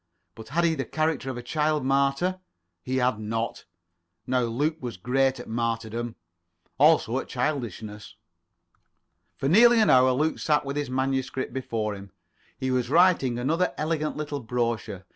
But had he the character of a child martyr? He had not. Now Luke was great at martyrdom; also at childishness. For nearly an hour Luke sat with his manuscript before him. He was writing another elegant little brochure.